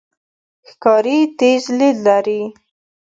ښکاري تیز لید لري.